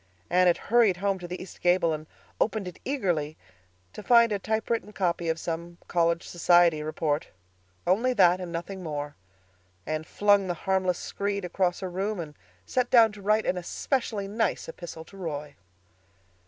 Anne had hurried home to the east gable and opened it eagerly—to find a typewritten copy of some college society report—"only that and nothing more." Anne flung the harmless screed across her room and sat down to write an especially nice epistle to Roy.